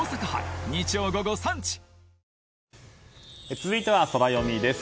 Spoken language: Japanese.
続いてはソラよみです。